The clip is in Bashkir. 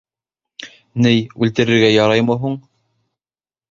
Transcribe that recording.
Ней, үлтерергә яраймы һуң?